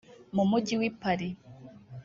mu mujyi w’i Paris